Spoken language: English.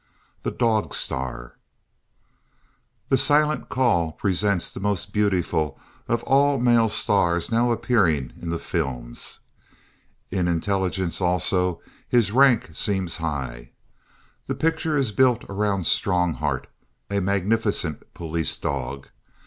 XVI THE DOG STAR The Silent Call presents the most beautiful of all male stars now appearing in the films. In intelligence, also, his rank seems high. The picture is built around Strongheart, a magnificent police dog.